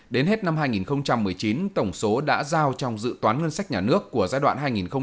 đến hết năm hai nghìn một mươi chín tổng số đã giao trong dự toán ngân sách nhà nước của giai đoạn hai nghìn một mươi sáu hai nghìn hai mươi